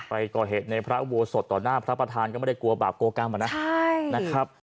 ไปก่อเหตุในพระอุโบสถต่อหน้าพระประธานก็ไม่ได้กลัวบาปกลัวกรรมอะนะนะครับ